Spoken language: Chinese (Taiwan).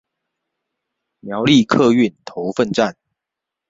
苗栗客運頭份站